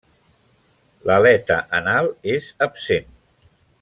L'aleta anal és absent.